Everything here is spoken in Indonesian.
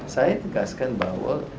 saya mengatakan bahwa